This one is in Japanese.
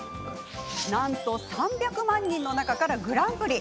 なんと３００万人の中からのグランプリ！